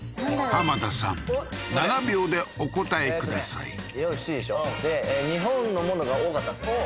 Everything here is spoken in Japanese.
田さん７秒でお答えくださいで日本のものが多かったんですよね